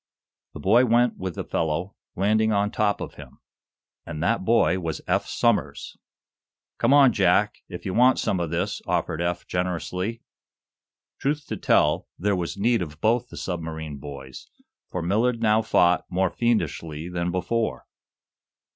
The boy went with the fellow, landing on top of him. And that boy was Eph Somers! "Come on, Jack, if you want some of this!" offered Eph, generously. Truth to tell, there was need of both the submarine boys, for Millard now fought more fiendishly than before.